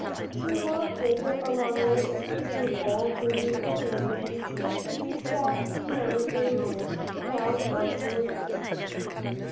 He loafed along lazily, too full to eat any of the beechnuts that he nosed daintily out of the leaves.